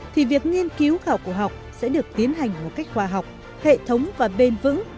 thì việc nghiên cứu khảo cổ học sẽ được tiến hành một cách khoa học hệ thống và bền vững